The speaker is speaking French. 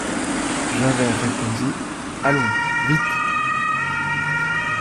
Javert répondit: — Allons, vite!